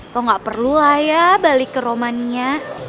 lo gak perlu lah ya balik ke romania